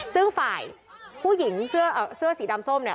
ซึ่งฝ่ายผู้หญิงเสื้อสีดำส้มเนี่ย